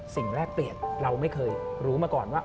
สิ่งแรกเปลี่ยนเราไม่เคยรู้มาก่อนว่า